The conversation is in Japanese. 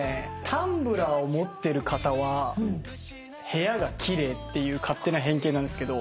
タンブラーを持ってる方は部屋が奇麗っていう勝手な偏見なんですけど。